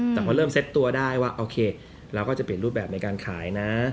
แต่พอเริ่มเซ็ตตัวได้ว่าโอเคเราก็จะเปลี่ยนรูปแบบในการขายนะ